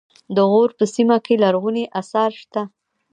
د غور په سیمه کې لرغوني اثار شته